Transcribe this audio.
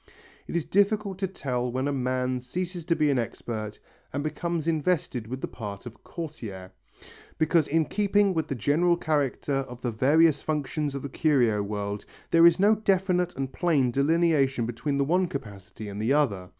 It is difficult to tell when a man ceases to be an expert and becomes invested with the part of courtier, because in keeping with the general character of the various functions of the curio world, there is no definite and plain delineation between the one capacity and the other.